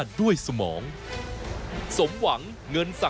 สวัสดีค่ะต้องรับคุณผู้ชมเข้าสู่ชูเวสตีศาสตร์หน้า